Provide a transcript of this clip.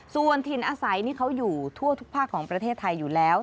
ส่วนถิ่นอาศัยนี่เขาอยู่ทั่วทุกภาคของประเทศไทยอยู่แล้ว